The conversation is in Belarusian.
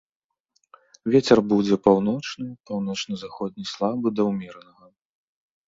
Вецер будзе паўночны, паўночна-заходні слабы да ўмеранага.